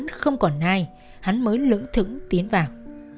y chắc chắn trong quán không còn ai hắn mới lưỡng thững tiến vào